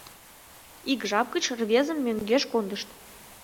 Ик жап гыч рвезым мӧҥгеш кондышт.